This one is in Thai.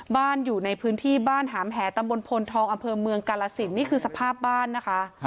อยู่ในพื้นที่บ้านหามแหตำบลพลทองอำเภอเมืองกาลสินนี่คือสภาพบ้านนะคะ